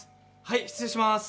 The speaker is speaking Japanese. はい失礼します